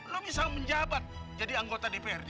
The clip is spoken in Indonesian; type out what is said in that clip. lo misalnya menjabat jadi anggota dprd